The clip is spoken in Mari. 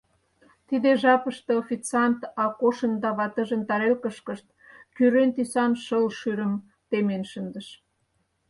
Тиде жапыште официант Акошын да ватыжын тарелкышкышт кӱрен тӱсан шыл шӱрым темен шындыш.